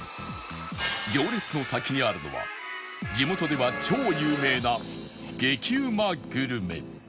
行列の先にあるのは地元では超有名な激うまグルメ